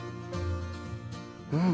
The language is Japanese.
うん。